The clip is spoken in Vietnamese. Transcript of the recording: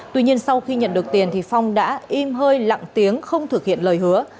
tuy nhiên sau khi nhận được tiền thì phong đã im hơi lặng tiếng không thực hiện lời hứa